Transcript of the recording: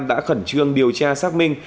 đã khẩn trương điều tra xác minh